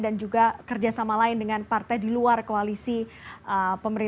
dan juga kerjasama lain dengan partai di luar koalisi